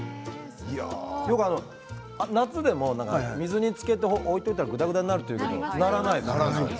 よく夏でも水につけて置いておいたらぐだぐだになるということはないです。